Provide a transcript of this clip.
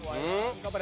頑張れ。